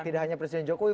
tidak hanya presiden jokowi